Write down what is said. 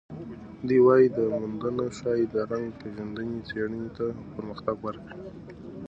دی وايي، دا موندنه ښايي د رنګ پېژندنې څېړنې ته پرمختګ ورکړي.